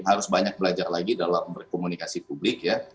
jadi harus banyak belajar lagi dalam berkomunikasi publik ya